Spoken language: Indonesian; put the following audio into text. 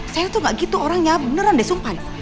saya tuh gak gitu orangnya beneran deh sumpah